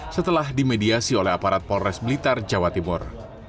setelah dimediasi oleh aparat polres blitar jawa timur